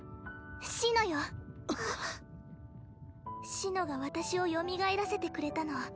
紫乃が私をよみがえらせてくれたの。